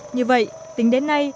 như vậy tính đến nay